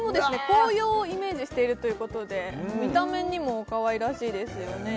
紅葉をイメージしているということで見た目にもかわいらしいですよね